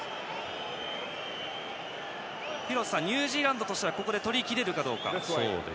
ニュージーランドとしてはここで取りきれるかどうか。